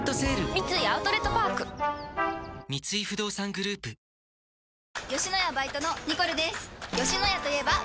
三井アウトレットパーク三井不動産グループふふん